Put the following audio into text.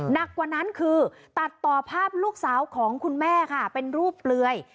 หนักกว่านั้นคือตัดต่อภาพลูกสาวของคุณแม่ค่ะเป็นรูปเปลือย